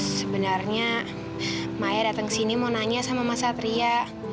sebenarnya maya datang ke sini mau nanya sama mas satria